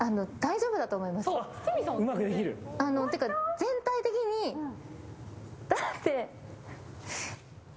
全体的にだって。